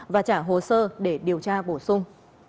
và trả hồ sơ để điều tra bổ sung